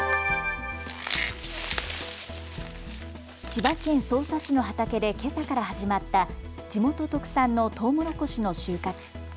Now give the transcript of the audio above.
千葉県匝瑳市の畑でけさから始まった地元特産のトウモロコシの収穫。